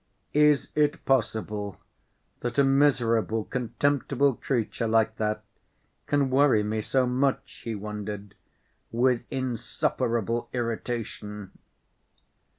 "Is it possible that a miserable, contemptible creature like that can worry me so much?" he wondered, with insufferable irritation.